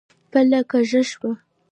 پله کږه شوه.